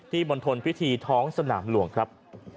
มณฑลพิธีท้องสนามหลวงครับ